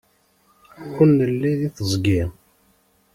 Ur nelli deg teẓgi.